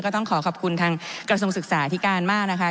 ต้องขอขอบคุณทางกระทรวงศึกษาที่การมากนะคะ